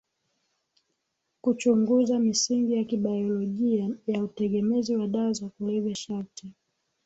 kuchunguza misingi ya kibayolojia ya utegemezi wa dawa za kulevya sharti